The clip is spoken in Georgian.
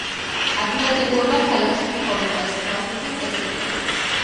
ადვილად ეგუება ქალაქში ცხოვრებას, ბავშვებთან კეთილია.